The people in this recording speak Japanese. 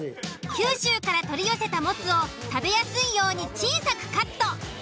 九州から取り寄せたモツを食べやすいように小さくカット。